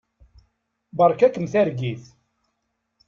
Beṛka-kem targit.